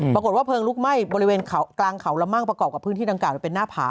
ปรากฏว่าเพิงลุกไหม้บริเวณกลางเขาและมั่งประกอบกับพื้นที่ต่างกล่าวเป็นหน้าผ่า